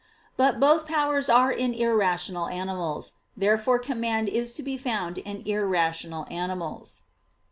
But both powers are in irrational animals. Therefore command is to be found in irrational animals.